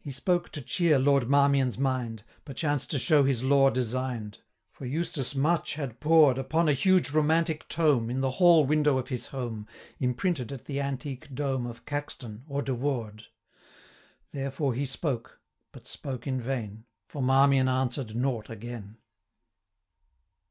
He spoke to cheer Lord Marmion's mind; 85 Perchance to show his lore design'd; For Eustace much had pored Upon a huge romantic tome, In the hall window of his home, Imprinted at the antique dome 90 Of Caxton, or de Worde. Therefore he spoke, but spoke in vain, For Marmion answer'd nought again.